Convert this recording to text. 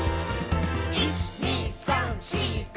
「１．２．３．４．５．」